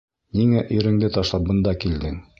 Ниңә иреңде ташлап бында килдең?